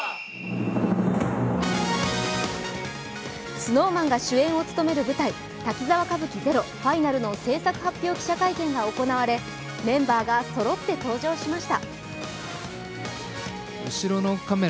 ＳｎｏｗＭａｎが主演を務める舞台「滝沢歌舞伎ＺＥＲＯＦＩＮＡＬ」の製作発表記者会見が行われメンバーがそろって登場しました。